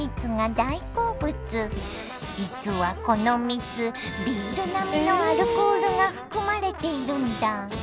実はこの蜜ビール並みのアルコールが含まれているんだ。